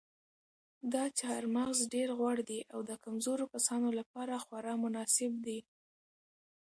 دا چهارمغز ډېر غوړ دي او د کمزورو کسانو لپاره خورا مناسب دي.